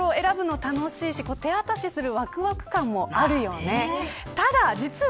けどさご祝儀袋を選ぶのも楽しいし手渡しするわくわく感もあるよね。